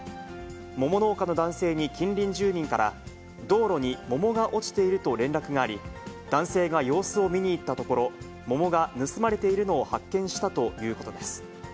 桃農家の男性に近隣住民から、道路に桃が落ちていると連絡があり、男性が様子を見に行ったところ、桃が盗まれているのを発見したということです。